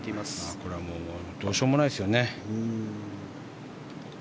これはどうしようもないですよね。